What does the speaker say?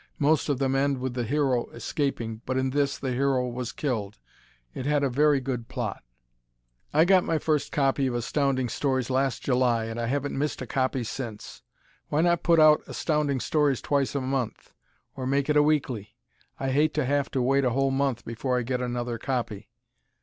Most of them end with the hero escaping, but in this the hero was killed. It had a very good plot. I got my first copy of Astounding Stories last July and I haven't missed a copy since. Why not put out Astounding Stories twice a month, or make it a weekly? I hate to have to wait a whole month before I get another copy.